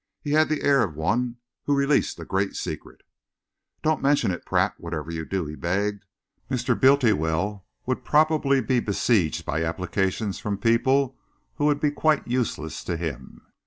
He had the air of one who releases a great secret. "Don't mention it, Pratt, whatever you do," he begged. "Mr. Bultiwell would probably be besieged by applications from people who would be quite useless to him."